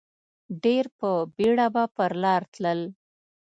ډېر په بېړه به پر لار تلل.